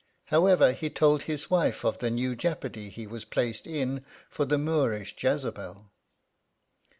However, he told his wife of the new jeopardy he was placed in for the Moorish Jezebel.